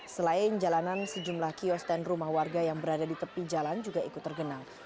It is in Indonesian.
selain jalanan sejumlah kios dan rumah warga yang berada di tepi jalan juga ikut tergenang